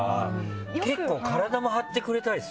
結構体も張ってくれたりするから。